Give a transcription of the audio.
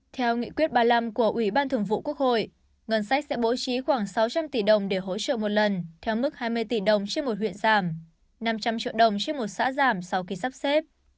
theo nghị quyết ba mươi năm của ủy ban thường vụ quốc hội ngân sách sẽ bố trí khoảng sáu trăm linh tỷ đồng để hỗ trợ một lần theo mức hai mươi tỷ đồng trên một huyện giảm năm trăm linh triệu đồng trên một xã giảm sau khi sắp xếp